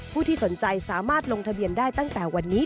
ที่สนใจสามารถลงทะเบียนได้ตั้งแต่วันนี้